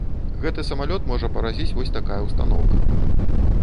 Гэты самалёт можа паразіць вось тая ўстаноўка.